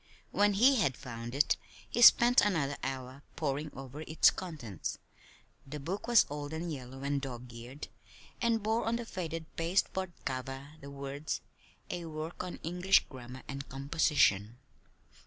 When he had found it he spent another hour poring over its contents. The book was old and yellow and dog eared, and bore on the faded pasteboard cover the words: "A work on English Grammar and Composition."